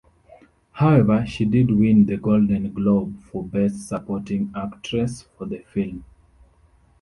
However, she did win the Golden Globe for Best Supporting Actress for the film.